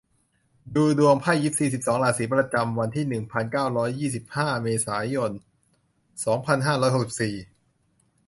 ดูดวงไพ่ยิปซี สิบสอง ราศี ประจำวันที่ หนึ่งพันเก้าร้อยยี่สิบห้า เมษายน สองพันห้าร้อยหกสิบสี่